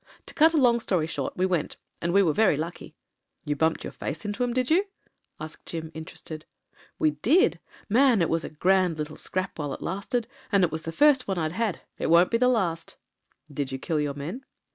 "To cut a long story short, we went. And we were very lucky." "You biunped your face into 'em, did you?" asked Jim, interested. "We did. Man, it was a grand little scrap while it lasted, and it was the first one I'd had. It won't be the last" "Did you kill your men